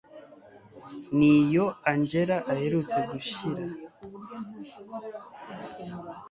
niyo angella aherutse gushyira